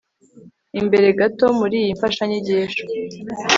imbere gato muri iyi mfashanyigisho